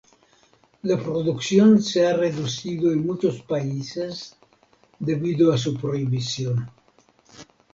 La producción se ha reducido en muchos países debido a su prohibición.